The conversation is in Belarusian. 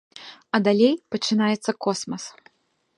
А далей пачынаецца космас!